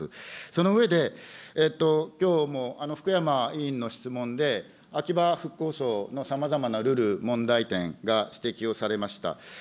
その上で、きょうも福山委員の質問で、秋葉復興相のさまざまなるる問題点が指摘をされました。